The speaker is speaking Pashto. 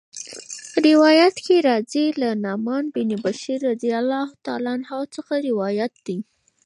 روايت کي راځي: له نعمان بن بشير رضي الله عنه څخه روايت دی